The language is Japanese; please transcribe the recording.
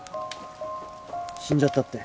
死んじゃったって。